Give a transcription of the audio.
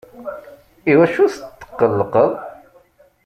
Iwacu tetqllqeḍ?